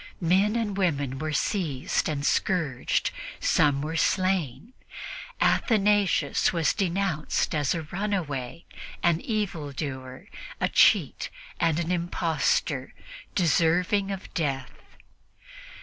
Men and women were seized and scourged; some were slain. Athanasius was denounced as a "runaway, an evildoer, a cheat and an impostor, deserving of death."